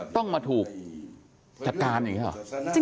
ต้องมาถูกจัดการอย่างนี้หรอ